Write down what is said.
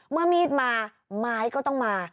เมื่อมีดมาไม้ก็ต้องมา